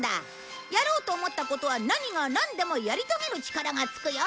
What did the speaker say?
やろうと思ったことは何がなんでもやり遂げる力がつくよ。